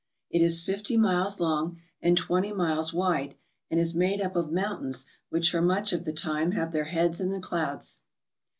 It is fifty miles long and twenty miles wide and is made up of mountains which for miich of the time have their heads in the clouds.